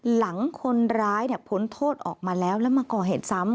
หลังคนร้ายผลโทษออกมาแล้วแล้วมาก่อเหตุซ้ำ